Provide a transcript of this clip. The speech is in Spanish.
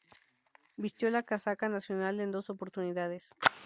Vistió la casaca nacional en dos oportunidades.